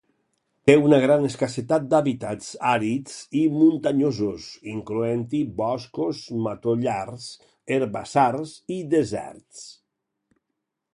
Té una gran escassetat d'hàbitats àrids i muntanyosos, incloent-hi boscos, matollars, herbassars i deserts.